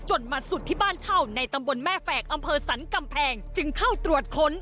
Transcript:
มาสุดที่บ้านเช่าในตำบลแม่แฝกอำเภอสันกำแพงจึงเข้าตรวจค้น